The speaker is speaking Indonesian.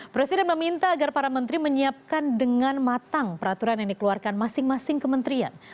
presiden meminta agar para menteri menyiapkan dengan matang peraturan yang dikeluarkan masing masing kementerian